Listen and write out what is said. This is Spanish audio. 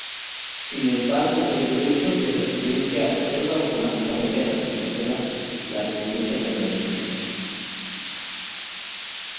Sin embargo, el derecho de residencia otorga automáticamente a las personas la residencia permanente.